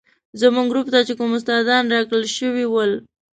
زموږ ګروپ ته چې کوم استادان راکړل شوي ول.